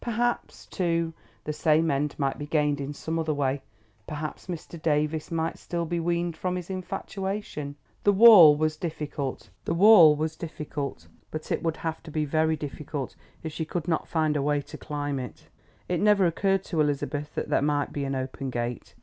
Perhaps, too, the same end might be gained in some other way. Perhaps Mr. Davies might still be weaned from his infatuation. The wall was difficult, but it would have to be very difficult if she could not find a way to climb it. It never occurred to Elizabeth that there might be an open gate.